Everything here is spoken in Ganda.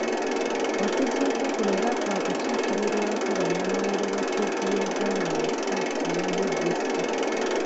Okuziika kuno era kwakukikiribwako bannamawulire ba ttivi y'eggwanga bokka eya UBC.